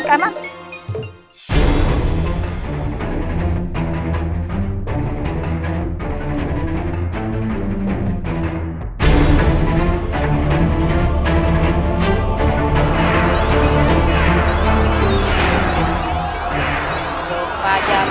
tuhan yang terbaik